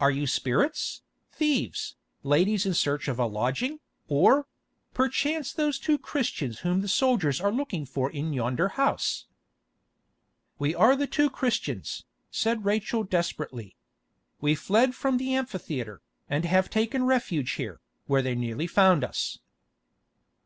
"Are you spirits, thieves, ladies in search of a lodging, or—perchance those two Christians whom the soldiers are looking for in yonder house?" "We are the two Christians," said Rachel desperately. "We fled from the amphitheatre, and have taken refuge here, where they nearly found us."